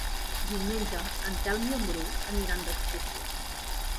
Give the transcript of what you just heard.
Diumenge en Telm i en Bru aniran d'excursió.